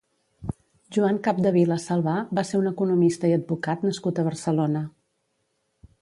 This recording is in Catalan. Joan Capdevila Salvà va ser un economista i advocat nascut a Barcelona.